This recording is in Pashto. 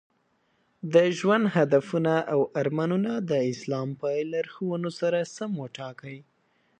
د ژوند هدفونه او ارمانونه د اسلام په لارښوونو سره سم وټاکئ.